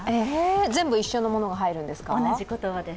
全部、一緒のものが入るんですか？